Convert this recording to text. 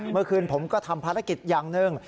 เมื่อคืนผมก็ทำภารกิจอย่างหนึ่ง